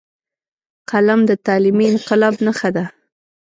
قلم د تعلیمي انقلاب نښه ده